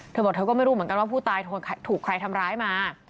เธอบอกเธอก็ไม่รู้เหมือนกันว่าผู้ตายถูกใครทำร้ายมา